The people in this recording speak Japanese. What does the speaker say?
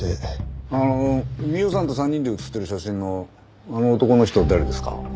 あの美緒さんと３人で写ってる写真のあの男の人誰ですか？